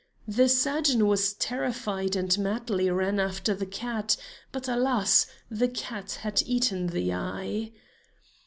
The surgeon was terrified and madly ran after the cat; but alas! the cat had eaten the eye.